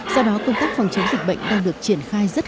sau đó công tác phòng chống dịch bệnh đang được triển khai